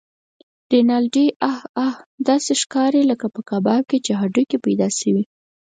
رینالډي: اه اه! داسې ښکارې لکه په کباب کې چې هډوکی پیدا شوی.